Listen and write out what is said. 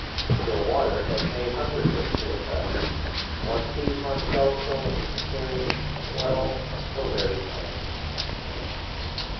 Still water has made hundreds of suicides: one sees oneself so very—well, so very plain."